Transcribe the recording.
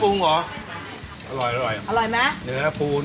เรามาว่ากันที่ห้อยเจาะก่อน